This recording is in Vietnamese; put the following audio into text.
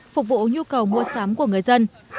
phục vụ nhu cầu mua sám của người dân